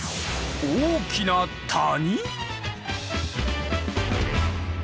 大きな谷⁉